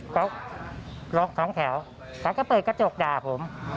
เขาล็อกท้องแถวเขาก็เปิดกระจกด่าผม